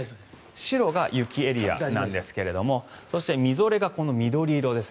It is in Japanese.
白が雪エリアなんですがそして、みぞれがこの緑色です。